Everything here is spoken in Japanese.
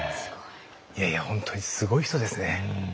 いやいや本当にすごい人ですね。